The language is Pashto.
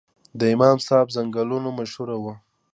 د امام صاحب ځنګلونه مشهور وو